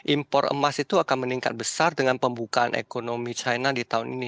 impor emas itu akan meningkat besar dengan pembukaan ekonomi china di tahun ini